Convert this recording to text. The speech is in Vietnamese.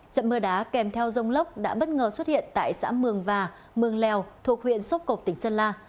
trận mưa đá kèm theo rông lốc đã bất ngờ xuất hiện tại xã mường và mường lèo thuộc huyện sốc cộp tỉnh sơn la